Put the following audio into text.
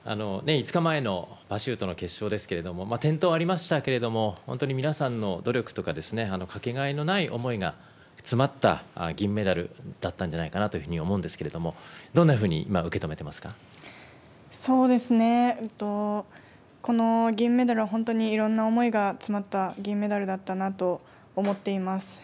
５日前のパシュートの決勝ですけれども、転倒ありましたけれども、本当に皆さんの努力とか掛けがえのない思いが詰まった銀メダルだったんじゃないかなというふうに思うんですけれども、どんなふうそうですね、この銀メダルは本当にいろんな思いが詰まった銀メダルだったなと思っています。